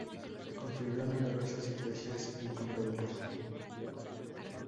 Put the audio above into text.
Construyó numerosas iglesias y conventos.